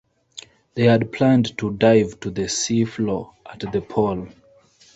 They had planned to dive to the sea floor at the Pole.